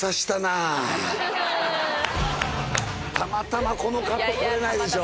たまたまこのカット撮れないでしょ。